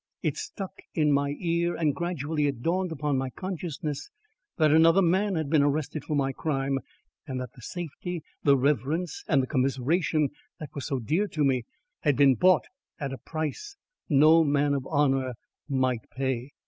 It stuck in my ear and gradually it dawned upon my consciousness that another man had been arrested for my crime and that the safety, the reverence and the commiseration that were so dear to me had been bought at a price no man of honour might pay.